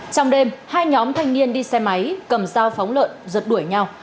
trong đêm hai nhóm thanh niên đi xe máy cầm dao phóng lợn rật đuổi nhau